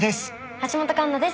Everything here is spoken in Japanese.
橋本環奈です。